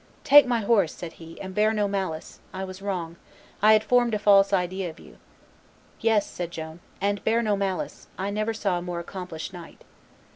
"Take my horse," said he, "and bear no malice: I was wrong; I had formed a false idea of you." "Yes," said Joan, "and bear no malice: I never saw a more accomplished knight."